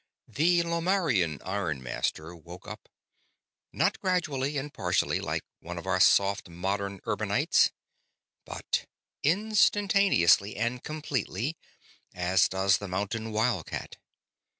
The Lomarrian ironmaster woke up; not gradually and partially, like one of our soft modern urbanites, but instantaneously and completely, as does the mountain wild cat.